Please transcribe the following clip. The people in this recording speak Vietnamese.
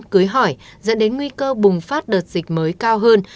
cưới hỏi dẫn đến nguy cơ bùng phát đợt dịch mới cao hơn